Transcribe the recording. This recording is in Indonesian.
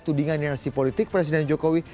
tudingan dinasti politik presiden jokowi